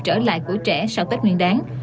trở lại của trẻ sau tết nguyên đáng